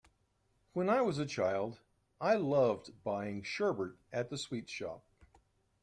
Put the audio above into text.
When I was a child, I loved buying sherbet at the sweet shop